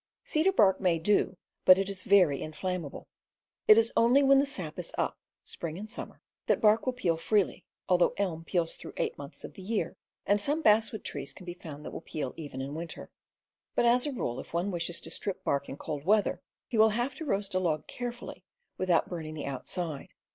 Cedar bark may do, but it is very inflammable. It is only when the sap is up (spring and summer) that bark will peel freely, although elm peels through eight months of the year, and some basswood trees can be found that will peel even in winter. But, as a rule, if one wishes to strip bark in cold weather, he will have to roast a log carefully without burning the outside.